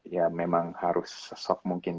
ya memang harus sok mungkin